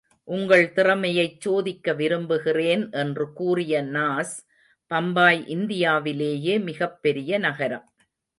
உங்கள் திறமையைச் சோதிக்க விரும்புகிறேன் என்று கூறிய நாஸ் பம்பாய் இந்தியாவிலேயே மிகப் பெரிய நகரம்.